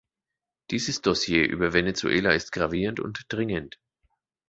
Dieses Dossier über Venezuela ist gravierend und dringend.